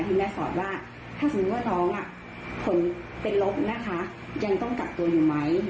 คุณแม่สอนว่าถ้าสมมุติว่าน้องผลเป็นลบนะคะยังต้องกักตัวอยู่ไหม